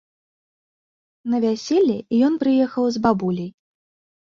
На вяселле ён прыехаў з бабуляй.